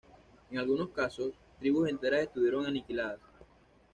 En algunos casos, tribus enteras estuvieron aniquiladas.